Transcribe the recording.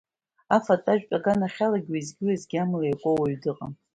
Афатә-ажәтә аганахьалагьы уеизгьы-уеизгьы амла иакуа уаҩ дыҟам.